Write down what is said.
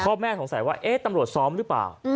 พ่อแม่สงสัยว่าตำรวจซ้อมหรือเปล่า